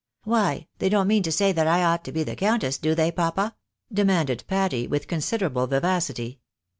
" Why, they don't mean to say that I ought to be the countess, do they, papa ?" demanded Patty, with considerable vivacity.